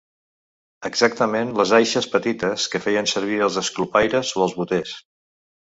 Exactament les aixes petites que feien servir els esclopaires o els boters.